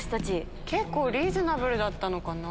結構リーズナブルだったのかな。